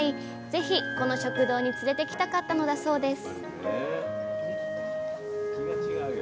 ぜひこの食堂に連れて来たかったのだそうです